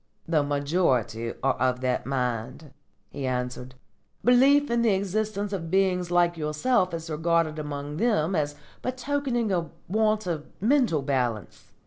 "The majority are of that mind," he answered. "Belief in the existence of beings like yourself is regarded among them as betokening a want of mental balance.